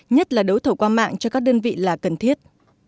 nhất là đấu thầu qua mạng cho các đơn vị là cần thiết